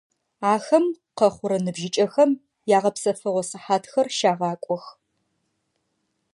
Ахэм къэхъурэ ныбжьыкӀэхэм ягъэпсэфыгъо сыхьатхэр щагъакӀох.